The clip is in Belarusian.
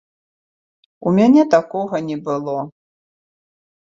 У мяне такога не было.